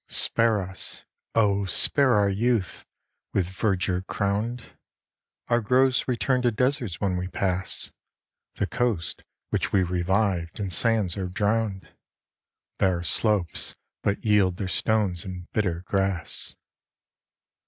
Spare us!—oh! spare our youth, with verdure crowned— Our groves return to deserts when we pass; The coasts which we revived, in sands are drowned; Bare slopes but yield their stones and bitter grass.